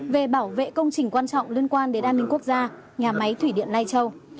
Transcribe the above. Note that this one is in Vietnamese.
về bảo vệ công trình quan trọng liên quan đến an ninh quốc gia nhà máy thủy điện lai châu